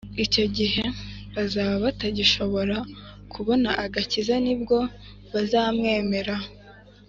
icyo gihe bazaba batagishobora kubona agakiza, ni bwo bazamwemera